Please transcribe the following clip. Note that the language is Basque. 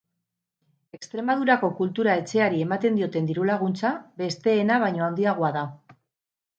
Extremadurako kultura etxeari ematen dioten diru-laguntza besteena baino handiagoa da.